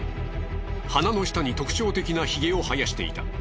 鼻の下に特徴的なひげを生やしていた。